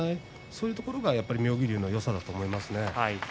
そういうところが妙義龍のよさだと思います。